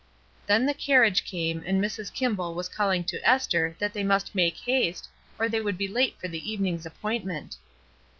Then the carriage came, and Mrs. Kimball was calling to Esther that they must make haste or they would be late for the evening's appointment.